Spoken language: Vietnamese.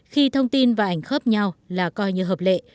khi thông tin và ảnh khớp nhau là coi như hợp lệ